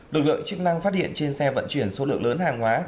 lực lượng chức năng phát hiện trên xe vận chuyển số lượng lớn hàng hóa